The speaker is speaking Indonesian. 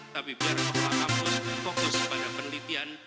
tapi biar pengelola kampus fokus pada penelitian